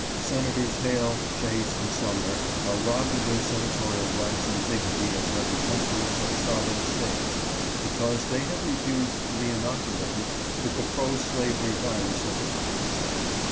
Senators Hale, Chase, and Sumner are robbed of their senatorial rights and dignity as representatives of sovereign States, because they have refused to be inoculated with the pro slavery virus of the times.